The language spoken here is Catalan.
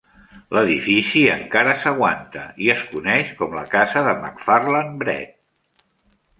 L'edifici encara s'aguanta i es coneix com la casa de Macfarlane Bredt.